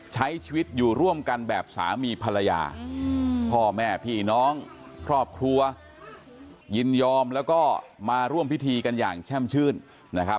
ใช้ชีวิตอยู่ร่วมกันแบบสามีภรรยาพ่อแม่พี่น้องครอบครัวยินยอมแล้วก็มาร่วมพิธีกันอย่างแช่มชื่นนะครับ